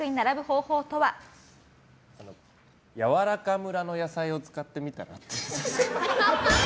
やわらか村の野菜を使ってみては？